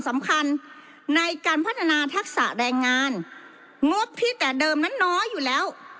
สำคัญในการพัฒนาทักษะแรงงานงบที่แต่เดิมนั้นน้อยอยู่แล้ว